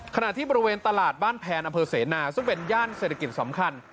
ขณะที่บริเวณตลาดบ้านแพนอำเภอเสนาซึ่งเป็นย่านเศรษฐกิจสำคัญ